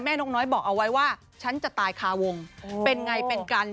นกน้อยบอกเอาไว้ว่าฉันจะตายคาวงเป็นไงเป็นกัน